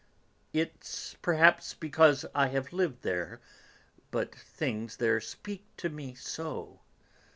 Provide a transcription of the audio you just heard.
It's perhaps because I have lived there, but things there speak to me so.